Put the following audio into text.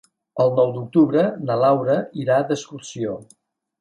El nou d'octubre na Laura irà d'excursió.